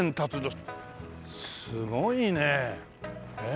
すごいねえ。